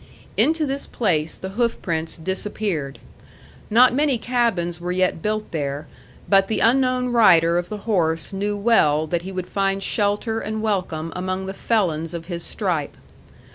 Into this place the hoofprints disappeared. Not many cabins were yet built there; but the unknown rider of the horse knew well that he would find shelter and welcome among the felons of his stripe.